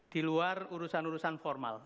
di luar urusan urusan formal